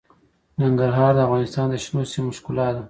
ننګرهار د افغانستان د شنو سیمو ښکلا ده.